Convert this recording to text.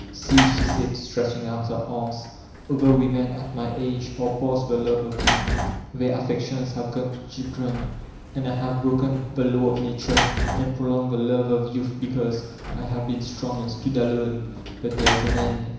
See," she said, stretching out her arms, "other women at my age are past the love of men. Their affe ctio ns have gone to chiMren. And I have broken the 460 tVOLTAIRINB DE ClEYSB law of nature and prolonged the love of youth I have been strong and stood alone. But there is an end.